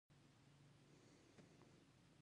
شهرت د سترتوب د پای ته رسېدلو پیل دی.